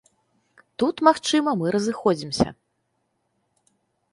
Тут, магчыма, мы разыходзімся.